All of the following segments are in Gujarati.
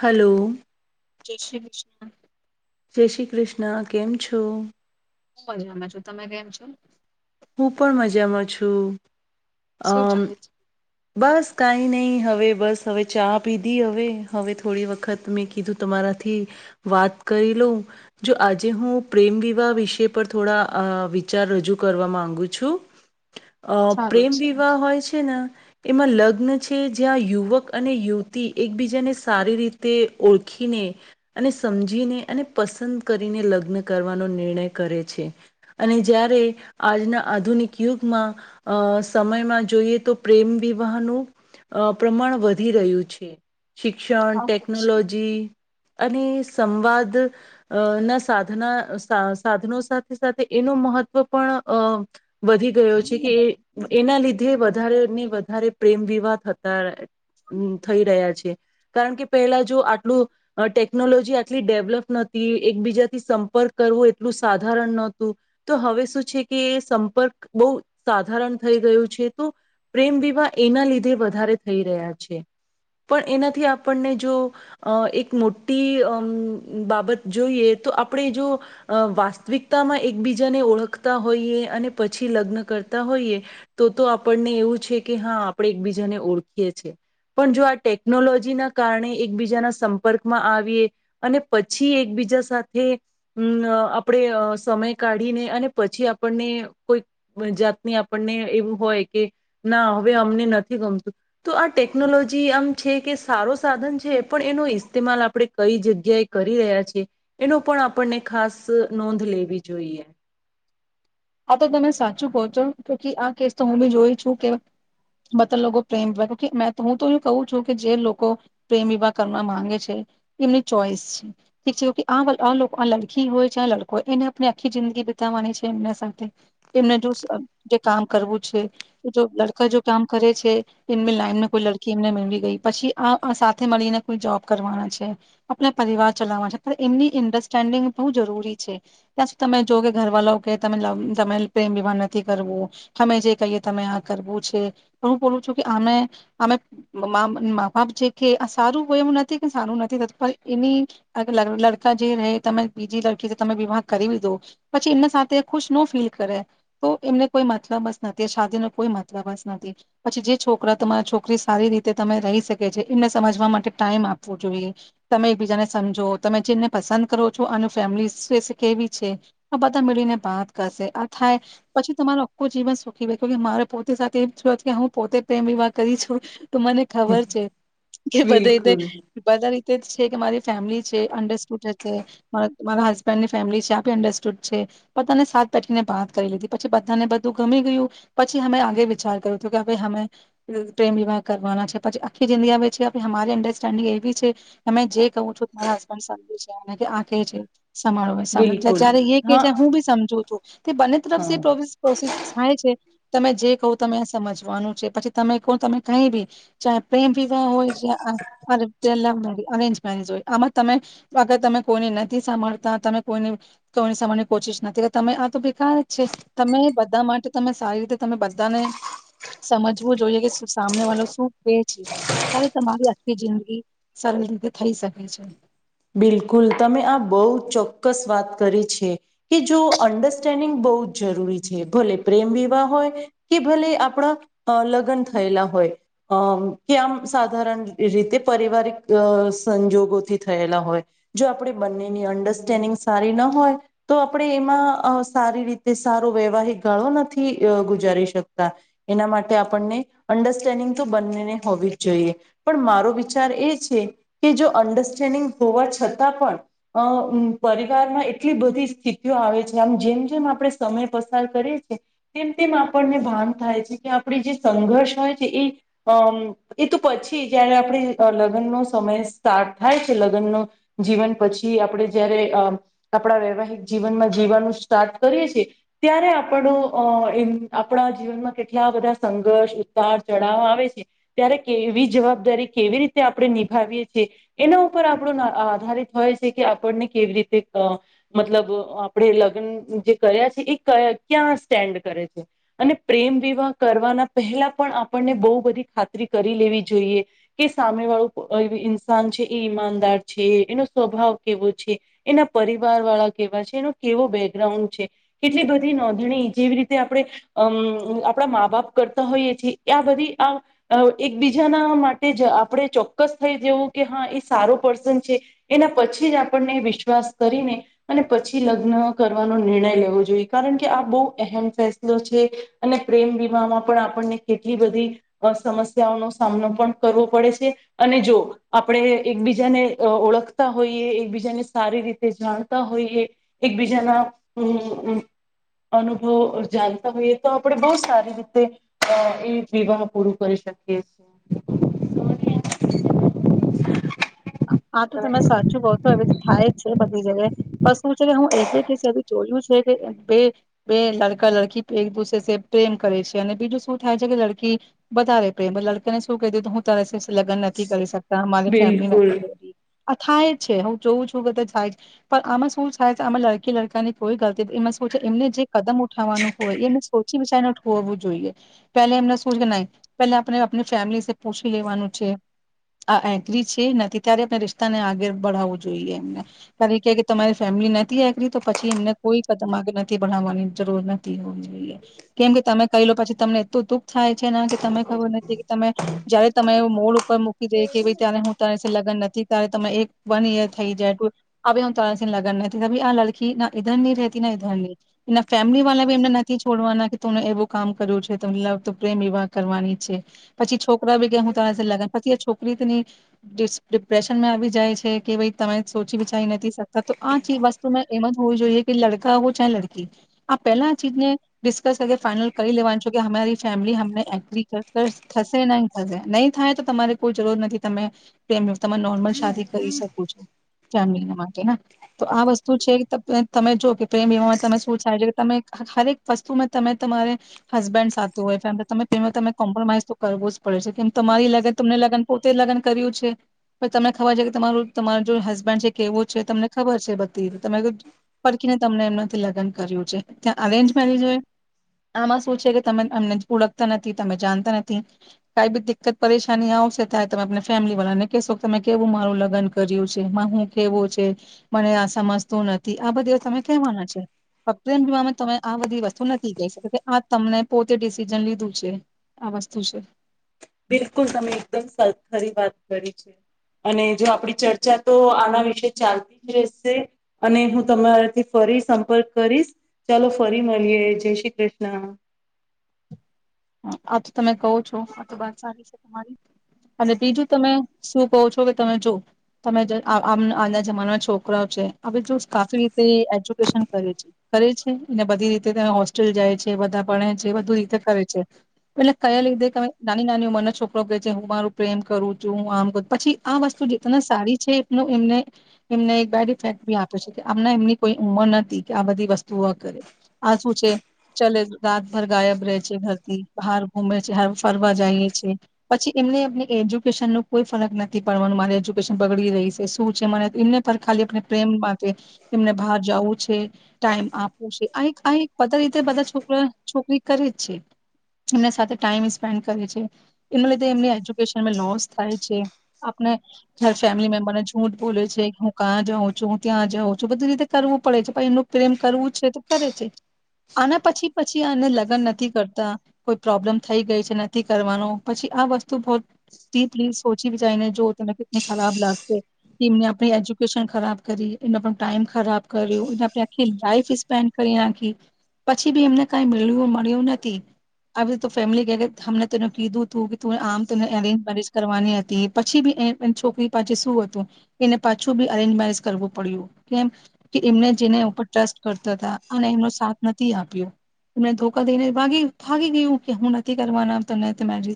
હાલો જય શ્રી વિષ્ણુ જય શ્રી કૃષ્ણ કેમ છો હું મજા મા છું તમે કેમ છો હું પણ મજામાં છું શું અમ ચાલે છે બસ કઈ ની હવે બસ હવે ચા પીધી હવે હવે થોડી વખત મેં કીધું તમારાથી વાત કરી લઉ જો આજે હું પ્રેમ વિવાહ વિષ પર થોડા વિચાર રજૂ કરવા માંગુ છું અ સારું પ્રેમ છે વિવાહ હોય છે ને એમાં લગ્ન છે જ્યાં યુવક અને યુવતી એકબીજાને સારી રીતે ઓળખીને અને સમજીને અને પસંદ કરીને લગ્ન કરવાનો નિર્ણય કરે છે અને જ્યારે આજના આધુનિક યુગમાં અ સમયમાં જોઈએ તો પ્રેમ વિવાહનું પ્રમાણ વધી રહ્યું છે શિક્ષણ આ ટેક્નોલોજી અને સંવાદ ના સાધના સાધનો સાથે સાથે એનું મહત્વ પણ વધી ગયો છે કે એના લીધે વધારેને વધારે પ્રેમ વિવાહ થતા હમ થઈ રહ્યા છે કારણ કે પહેલા જો આટલું ટેકનોલોજી આટલી ડેવલપ નતી એકબીજાથી સંપર્ક કરવો એટલું સાધારણ નતું તો હવે શું છે કે સંપર્ક બહ સાધારણ થઈ ગયું છે તો પ્રેમ વિ વાહ એના લીધે વધારે થઈ રહ્યા છે પણ એનાથી આપણને જો એક મોટી બાબત જોઈએ તો આપણે જો વાસ્તવિકતામાં એકબીજાને ઓળખતા હોઈએ અને પછી લગ્ન કરતા હોઈએ તો તો આપણને એવું છે કે હા આપણે એકબીજાને ઓળખીએ છીએ પણ જો આ ટેકનોલોજી ના કારણે એકબીજાના સંપર્કમાં આવીએ અને પછી એકબીજા સાથે અમ આપણે સમય કાઢીને અને પછી આપણને કોઈ જાતની આપણને એવું હોય કે ના હવે અમને નથી ગમતું તો આ ટેકનોલોજી આમ છે કે સારો સાધન છે પણ એનો ઇસ્તેમાલ આપણે કઈ જગ્યાએ કરી રહ્યા છે એનો પણ આપણને ખાસ નોંધ લેવી જોઈએ આ તો તમે સાચું કહો છો ક આ કેસ તો હું ભી જોઈ છું કે [unintelligible] લોકો પ્રેમ વિવાહ હું તો એવું કું છું કે જે લોકો પ્રેમ વિવાહ કરવા માંગે છે એમની ચોઈસ છે ઠીક છે આ લડકી હોય છે આ લડકો હોય એને આપ આખી જિંદગી બતાવવાની છે એમને સા તેમને કામ કરવું છે લડકા જો કામ કરે છે એમની લાઈન કોઈ લડકી એમને મેળવી ગઈ પછી આ સાથે મળીને કોઈ જોબ કરવાના છે આપણા પરિવાર ચલાવવાના છે પણ એમની અન્ડરસ્ટેન્ડિંગ બો જરૂરી છે ત્યાં સુધી તમે જો કે ઘરવાળા કે તમે પ્રેમ વિવાહ નથી કરવો અમે જે કહીએ તમે આ કરવું છે પણ હું બોલું છું કેમેમે મા બાપ જે કે આ સારું એવું નથી કે સારું નથી થતું પણ એની લડકા જે રેય તમે બીજી લડકી તમે વિવાહ કરી દો પછી એમના સાથે ખુશ ન ફીલ કરે તો એમને કોઈ મતલાબસ નથી શાદી નો કોઈ માતલાબસ નથી પછી જે છોકરા તમારા છોકરી સારી રીતે તમે રહી શકે છે એમને સમજવા માટે ટાઈમ આપવો જોઈએ તમે એક બીજાને સમજો તમે જેને પસંદ કરો છો આનું ફેમિલી કેવી છે આ બધાને બાત કરશે થાય પછી તમાર આખું જીવન સુખીકે મારે પોતે સાથે એમ કે હું પોતે પ્રેમ વિવાહ કરી છું તો મને ખબર છે કે બધા રીતે બિલકુલ બધા ર તે જ છે કે મારે [unintelligible] છે [unintelligible] છે મારા હસબેન્ડ ની ફેમિલી છે અંડસ્ટુડ છે પણ તને સા [inaudible] ને બાત કરી લીધી પછી બધાને બધું ગમી ગયું પછી અમે આગે વિચાર કર્યું કે અમે પ્રેમ વિવાહ કરવાના છે પછી આખી જિંદગી અમારી અંડરસ્ટેન્ડિંગ એવી છે અમે જે કહું છું મારા હબન્ડ છે કે આખે છે [unintelligible] બિલકુલ જ્યારે એ કે હા છે હું ભી સમજું તે બંને [unintelligible] હા થાય છે તમે જે કહો તમે સમજવાનું છે પછી તમે કહો તમે કઈ ભી ચા પ્રેમ વિવાહ હોય જ્યાં અરે પેલા અરેન્જ મેરેજ હોય આમાં તમેગર તમે કોઈને નથી સાંભળતા તમે કોઈ કોઈને સાંભળની કોશિશ નથી કે તમે તો બેકાર જ છે તમે બધા માટે તમે સારી રીતે તમે બધાને સમજવું જોઈએ કે સામને વાળો શું કેય છે ત્યારે તમારી આખી જિંદગી સરળ રીતે થઈ શકે છે બિલકુલ તમે આ બો ચોક્કસ વાત કરી છે કે જો અન્ડરસ્ટેન્ડિંગ બોઉુ જ જ છે ભલે પ્રેમ વિવાહ હોય કે ભલે આપણા લગ્ન થયેલા હોય કે આમ સાધારણ રીતે પારિવારિક સંજોગોથી હોય આપણે બંનેની અંડરસ્ટેન્ડિંગ સારી ના હોય તો આપણે એમાં સારી રીતે સારો વૈવાહિક ગાળો નથી ગુજારી શકતા એના માટે આપણને અંડરસ્ટેન્ડિંગ તો બંનેને હોવી જ જોઈએ પણ મારો વિચાર એ છે કે જો અડ નિ હોવા છતાં પણ અ પરિવારમાં એટલી બધી સ્થિતિઓ આવે છે આમ જેમ જેમ આપણે સમય પસાર કરીએ છ છેએ તેમ તેમ આપણને ભાન થાય છે કે આપણી જે સંઘર્ષ હોય છે એ અ એ તો પછી જયારે આપણે લગ્નનોો સમય સ્ટાર્ટ થાય છે લગ્ન ન જીવન પછી આપણે જયારે અ આપણા વૈવાહિક જીવનમાં જીવવાનું સ્ટાર્ટ કરીએ છ છેીએ ત્યારે આપણો એ આપણા જીવનમાં કેટલા બધા સંઘર્ષ ઉતાર ચઢાવ આવે છે ત્યારે કેવી જવાબદારી કેવી રીતે આપણે નિભાવીએ છી એના ઉપર આપણો આધારિત હોય છે કે આપણને કેવી રીતે મતલબ આપણે લગ્ન જે કર્યા છે એ ક્યાં સ્ટેન્ડ કરે છે અને પ્રેમ વિવાહ કરવાના પહેલા પણ આપણને બહુ બધી ખાતરી કરી લેવી જોઈએ કે સામે વાળું ઇન્સાન છે એનો સ્વભાવ કેવો છે એના પરિવાર વાળા કેવા છે એનો કેવો બેકગ્રાઉન્ડ છે કેટલી બધી નોંધણી જેવી રીતે આપણે અમ આપડા મા બાપ કરતા હોઈએ છીએ આ બધી આ એકબીજાના માટે જ આપણે ચોક્કસ થઈ જવું કે હા એ સારો પર્સન છે એના પછી જ આપણને વિશ્વાસ કરીને અને પછી લગ્ન કરવાનો નિર્ણય લેવો જોઈએ કારણ કે આ બહુ અહેમ ફેસલો છે અને પ્રેમ વિવાહમાં પણ આપણને કેટલી બધી સમસ્યાઓનો સામનો પણ કરવો પડે છે અને જો આપણે એકબીજાને ઓળખતા હોઈએ એકબીજાને સારી રીતે જાણતા હોઈએ એકબીજાના અનુભવ જાણતા હોઈએ તો આપણે બહુ સારી રીતે એ વિવાહ પૂરું કરી શકે [inaudible] હા તો તમે સાચું કઉ તો હવે તો થાય જ છે બધી જગ્યા પણ શું છે હું એક બે જોયું છે કે બે બે લડકા લડકી એક દસે પ્રેમ કરે છે અને બીજું શું થાય છે કે લડકી વધારે પ્રેમ લડકાને શું કહી દે તો હું તારે લગન નથી કરી શકતા અમારી બિલકુલ ફેમલી અ થાય છે હું જોઉં છું કેધ થાય પણ આમાં શું થાય છે આમાં લડકી લડકાની કોઈ ગલતી એમાં શું છે એમને જે કદમ ઉઠાવવાનું હોય એ સોચી વિચાર હોવું જોઈએ પેલે એમને શું પે આપણે આપ ફેમિલી પૂછી લેવાનું છે આ એગ્રી છે ત્યારે આપણે રિશ્તાને આગળ બાવવું જોઈએ એમને કાર કે તમારી ફેમિલી નથી આરી તો પછી એમને કોઈ કદમ આગળ નથી ભઢાવવાની જરૂર નથી હોવી જોઈએ કેમ કે તમે કહી લો પછી તમને એલું દુઃખ થાય છે એના કે તને ખબર નથી કે તમે જયારે તમે એવ મોડ ઉપર મૂકી દઈ કે ભ ત્યારે હું ત લગ્ન નથી ત્યારે તમે એક વન ઈયર થઈ જાય હ ત લગ્ન નથી આ લડકી ના ઈધર ની રતી ને ધર ની એના ફેમિલી વાળા બી એમને નથી છોડવાના કે તુંને એવું કામ કર્યું છે પ્રેમ વિવાહ કરવાની છે પછી છોકરી ગહું ત લગ પછ છો પ્રીતની ડિપ્રેશનમાં આવી જાય છે કે ભાઈ તમે સોચી વિછાઈ નથી તો આ વસ્તુ મેં એમ જ હોવું જોઈએ કે લડકા હો ચા લડકી આ પેલા આ ચીજને ડિસ્કસ કર ફાઈનલ કરી લેવાનું છ કે અમારી ફેમિલી અમને એગ્રી થશે નહી થશે નહી થાય તો તમારે કોઈ જરૂર નથી તમે પ્રેમ તમે નોર્મલ શાદી કરી શકો છો ફેમિલી માટે ને તો આ વસ્તુ છે તમે જો કે પ્રેમ એ તમે શું થાય છે કે તમે હરેક વસ્તુમાં તમે તમારે હસબેન્ડ સાથે હોય ફેમિલી તમે પ્રેમમાં ત કોમ્પ્રોમાઈઝ તો કરવો જ પડે છે કે તમારી લગન તમને લગન પોતે લગન કર્યું છે તમને ખબર છે કે તમારું તમારું જો હસબન્ડ છે કેવું છે તમને ખબર છે બધી તમે પડકીને તમને એમનાથી લગ્ન કર્યું છે ત્યાં અરેન્જ મેરેજ હોય આમાં શું છે કે તમે અમને ઓળખતા નથી તમે જાણતા નથી કઈ બી દિકકત પરેશાની આવશે ત્યા્યારે તમે ફેમિલી વાળાને કેશો તમે કેવું મારું લગ્ન કર્યું છે હું કેવું છે મને આ સમજતું નથી આ બધી તમે કહેવાના છે પ્રેમ જીમાં તમે આ બધી વસ્તુ નથી કહી શ કે આ તમને પોતે ડિસિઝન લીધું છે આ વસ્તુ છે બિલકુલ તમે એકદમ સરખરી વાત કરી છે અને જો આપડી ચર્ચા તો આના વિશે ચાલતી ડ્રે અને હું તમારાથી ફરી સંપર્ક કરીશ ચાલો ફરી મળીએ જય શ્રી કૃષ્ણ હ અ તમે કહો છો આ તો બાર સારી તમારી અને બીજું તમે શું કહો છો કે તમે જો તમે આજના જમાનામાં છોકરાઓ છે હવે જો કાફી રીતે એજ્યુકેશન કરે છે કરે છે અને બધી રીતે તમે હોસ્ટેલ જાય છે બધા ભણે છે બધુ રીતે કરે છે એટલે કયા લીધેમે નાની નાની ઉંમરનો છોકરો કહે છે હું મારું પ્રેમ કરું છું હું આમ કર પછી આ વસ્તુ જેટને સારી છે એ એમને એમને એક બેડ ઇફેક્ટી આપે છે કે આમ એમની કોઈ ઉંમર નથી કે આ બધી વસ્તુઓ કરે આ શું છે ચલે રાતભર ગાયબ રહે છે બાર ફરવા જઈએ છે પછી એમને એજ્યુકેશન ન કોઈ ફરક નથી પડવાનું મારે એજ્યુકેશન બગડી રહી છે શું છે એમને ખાલી પ્રેમ માટે એમને બહાર જવું છે ટાઈમ આપવું છે બધા રીતે બધા છોકરા છોકરી કરે જ છે એમના સાથે ટાઈમ સ્પેન્ડ કરે છે એના લીધે એમની એજ્યુકેશન લોસ થાય છે આપને ઘર ફેમિલી મેમ્બરને જૂઠ બોલે છે હું ક્યાં જાઉં છું હું ત્યાં જાઉં છું બધી રીતે કરવું પડે છે પણ એમનું પ્રેમ કરવું છે તો કરે છે આના પછી પછી એને લગ્ન નથી કરતા કોઈ પ્રોબ્લેમ થઈ ગઈ છે નથી કરવાનો પછી આ વસ્તુ બીપ સોચી જઈને જો તને કેટલી ખરાબ લાગશે એમને આપણી એજ્યુકેશન ખરાબ કરી એણ ટાઈમ ખરાબ કર્યો એ આખી લાઈફ સ્પેન્ડ કરી નાખી પછી બી એમને કઈ્યું મળ્યું નથી આવી રીતે ફેમિલીમને કીધું તું કે ત આમને અરેન્જ મેરેજ કરવાની હતી પછી બી એ છોકરી પાછ શું હતું એને પાછું બી અરેન્જ મેરેજ કરવું પડ્યું કેમ કે એમને જેને ઉપર ટ્રસ્ટ કરતા હતા આ એમનો સાથ નથી આપ્યો એમને ધોકા દઈને ભગી ભાગી ગયું કે હું નથી કરવાનામ તો મે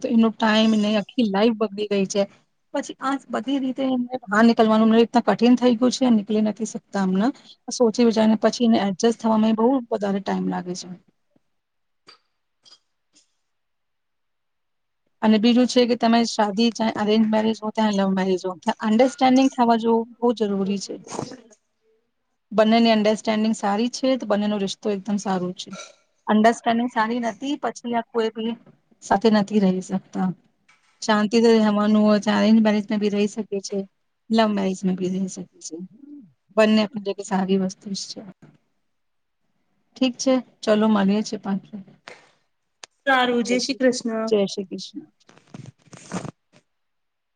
તો એનો ટાઈમ નહી આખી લાઈફ બગડી ગઈ છે, પછી આ બધી રીતે એને બહાર નીકળવાનુંને રીતના કઠિન થઈ ગયું છે અને નીકળી નથી શકતા અમને સોચી વિચારીને પછી, એને એડજસ્ટ થવામાં બહ વધારે ટાઈમ લાગે છે. અને બીજું છે કે તમે શાદીા અરેન્જ મેરેજ હો ત્યા લવ મેરેજ હો અન્ડરસ્ટેન્ડિંગ થવા જઓ. બો જરૂરી છે. બંનેની અંડરસ્ટેન્ડિંગ સારી છે, તો બંનેનો રિશ્તો એકદમ સારો છે, અંડરસ્ટેન્ડિંગ સારી નથી પછી આ કોઈ બી સાથે નથી રહી. શાંતિ તો રહેવાનું ચેલેન્જ બેલેન્જમાં બી રહી શકે છે. લંબાઈઇજમાં ભી રહી શકે છે બંને સારી વસ્તુ છે ઠીક છે ચલો મળીએ છે પાંચ સારું જય શ્રી કૃષ્ણ. કૃષ્ણ